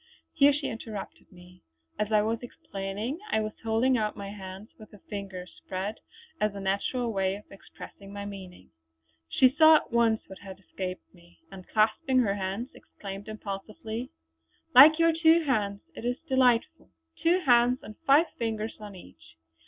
Here she interrupted me. As I was explaining I was holding out my hands with the fingers spread as a natural way of expressing my meaning. She saw at once what had escaped me, and clasping her hands exclaimed impulsively: "Like your two hands! It is delightful! Two hands, and five fingers on each.